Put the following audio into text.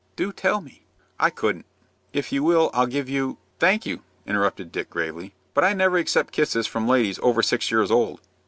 "Do tell me." "I couldn't." "If you will, I'll give you " "Thank you," interrupted Dick, gravely; "but I never accept kisses from ladies over six years old."